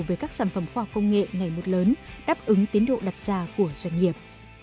với các sản phẩm khoa học công nghệ ngày một lớn đáp ứng tiến độ đặt ra của doanh nghiệp